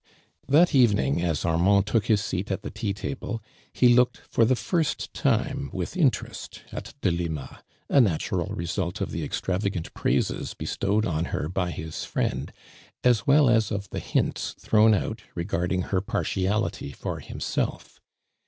That evening, as Armand took his seat at the tea table, he looked for the first time with interest at Delima, a natural result of the extravagant praises bestowed on her by his friend, as well as of the hints thrown out, regarding her partiality for himself.